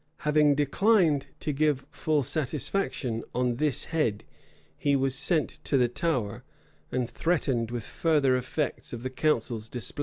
Having declined to give full satisfaction on this head, he was sent to the Tower, and threatened with further effects of the council's displeasure.